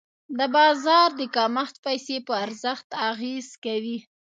د بازار د کمښت پیسې په ارزښت اغېز کوي.